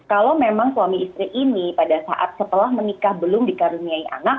kalau memang suami istri ini pada saat setelah menikah belum dikaruniai anak